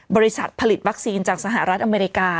บริษัทผลิตวัคซีนจากสหรัฐอเมริกา